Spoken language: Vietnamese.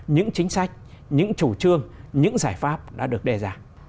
những chính sách những chủ trương những giải pháp đã được đề ra